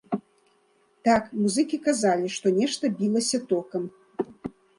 Так, музыкі казалі, што нешта білася токам.